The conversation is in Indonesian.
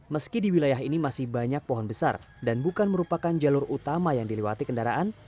meski di wilayah ini masih banyak pohon besar dan bukan merupakan jalur utama yang dilewati kendaraan